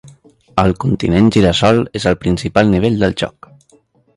El Continent Gira-sol és el principal nivell del joc.